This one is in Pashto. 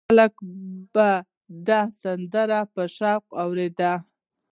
خلکو به دا سندرې په شوق اورېدلې.